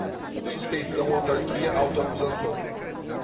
suspeição, autarquia, auto-acusação